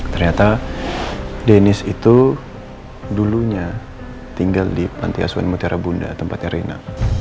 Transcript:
ternyata denis itu dulunya tinggal di panti asuhan mutiara bunda tempatnya reina